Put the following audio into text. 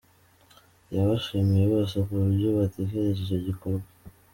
Yabashimiye bose uburyo batekereje icyo gikorwa.